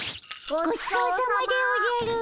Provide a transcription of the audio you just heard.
ごちそうさまでおじゃる。